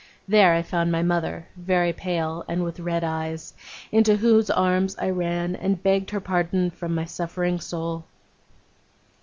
There, I found my mother, very pale and with red eyes: into whose arms I ran, and begged her pardon from my suffering soul.